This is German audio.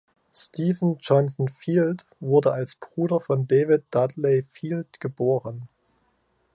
Stephen Johnson Field wurde als Bruder von David Dudley Field geboren.